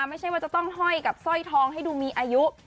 ไม่ใช่ว่าจะต้องห้อยกับสร้อยทองให้ดูมีอายุ